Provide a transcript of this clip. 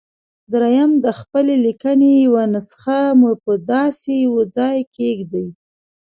درېيم د خپلې ليکنې يوه نسخه مو په داسې يوه ځای کېږدئ.